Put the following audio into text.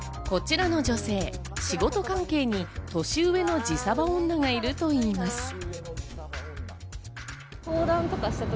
こちらの女性、仕事関係に年上の自サバ女がいるといいます。